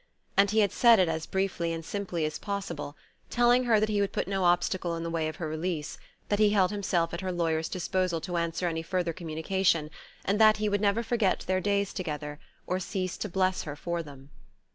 And he had said it as briefly and simply as possible, telling her that he would put no obstacle in the way of her release, that he held himself at her lawyer's disposal to answer any further communication and that he would never forget their days together, or cease to bless her for them.